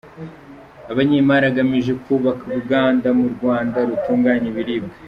Abanyemari agamije kubaka Uruganda mu Rwanda rutunganya ibiribwa